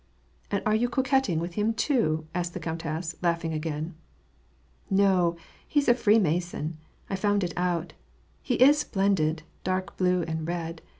"And are you coquetting with him too?" asked the countess, laughing again. " No : he's a Freemason ; I found it out. He is splendid, dark blue and red.